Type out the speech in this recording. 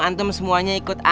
antum apa begitu